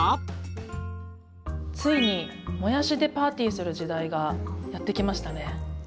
ついにもやしでパーティーする時代がやって来ましたね。